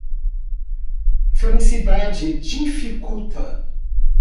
Felicidade dificulta.